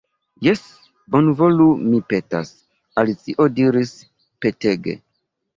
"Jes, bonvolu, mi petas," Alicio diris petege.